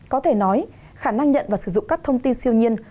có thể nói khả năng nhận và sử dụng các thông tin siêu nhiên